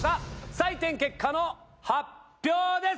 採点結果の発表です！